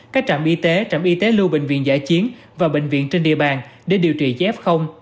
các trạm y tế trạm y tế lưu bệnh viện giải chiến và bệnh viện trên địa bàn để điều trị cho f